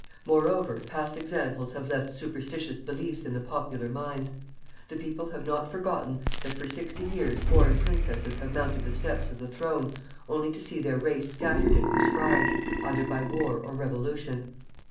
Moreover, past examples have left superstitious beliefs in the popular mind. The people have not forgotten that for sixty years foreign princesses have mounted the steps of the throne only to see their race scattered and proscribed, either by war or revolution.